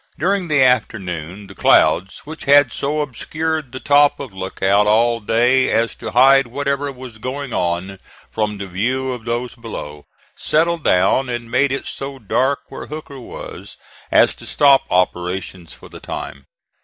During the afternoon the clouds, which had so obscured the top of Lookout all day as to hide whatever was going on from the view of those below, settled down and made it so dark where Hooker was as to stop operations for the time.